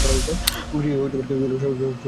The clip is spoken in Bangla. গৃহে কেহই ছিল না, সকলেই শ্মশানে।